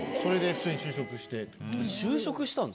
普通に就職して。